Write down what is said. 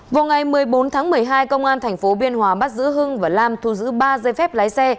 vào ngày một mươi bốn tháng một mươi hai công an tp biên hòa bắt giữ hưng và lam thu giữ ba dây phép lái xe